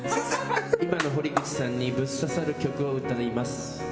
今の堀口さんにブッ刺さる曲を歌います。